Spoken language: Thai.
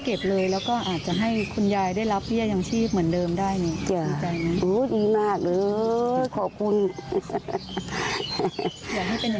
ก็อยากให้เจ้าช่วยนั่นแหละหมดหนี้หมดสิ้นอยู่แหละ